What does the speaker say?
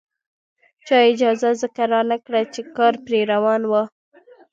چا اجازه ځکه رانکړه چې کار پرې روان وو.